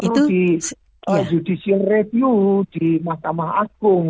perlu di judicial review di mahkamah agung